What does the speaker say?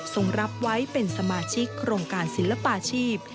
รับไว้เป็นสมาชิกโครงการศิลปาชีพ